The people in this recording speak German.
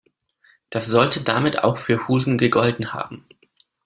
Das sollte damit auch für Husen gegolten haben.